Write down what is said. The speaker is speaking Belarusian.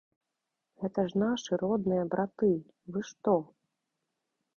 Гэта ж нашы родныя браты, вы што.